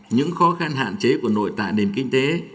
những khó khăn hạn chế của nội tạng đền kinh tế